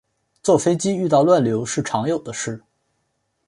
坐飞机遇到乱流是常有的事